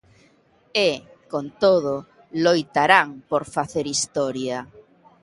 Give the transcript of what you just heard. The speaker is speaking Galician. E, con todo, loitarán por facer historia.